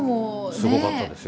すごかったですよ。